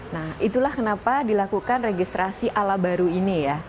nah itulah kenapa dilakukan registrasi ala baru ini ya